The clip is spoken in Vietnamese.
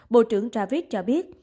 bộ trưởng travis cho biết